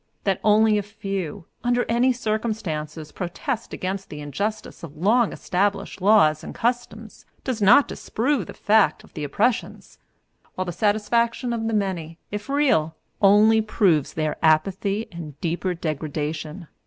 That only a few, under any circumstances, protest against the injustice of long established laws and customs, does not disprove the fact of the oppressions, while the satisfaction of the many, if real, only proves their apathy and deeper degradation.